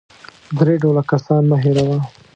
درې ډوله کسان مه هېروه .